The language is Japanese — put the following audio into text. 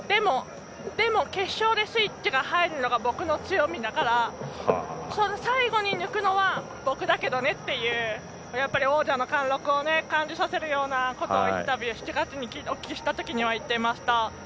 でも、決勝でスイッチが入るのが僕の強みだから、最後に抜くのは僕だけどねっていう王者の貫禄を感じさせるようなことをインタビュー、７月にお聞きしたときには言っていました。